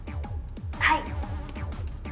はい。